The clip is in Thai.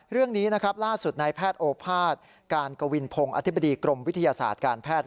เรื่องนี้นะครับล่าสุดนายแพทย์โอภาษย์การกวินพงศ์อธิบดีกรมวิทยาศาสตร์การแพทย์